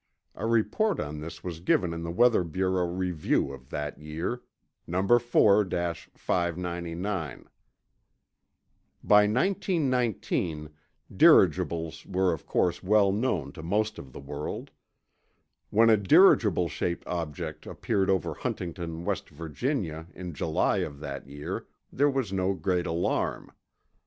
A report on this was given in the Weather Bureau Review of that year, Number 4 599. By 1919, dirigibles were of course well known to most of the world. When a dirigible shaped object appeared over Huntington, West Virginia, in July of that year, there was no great alarm.